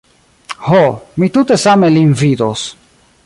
Ho, mi tute same lin vidos.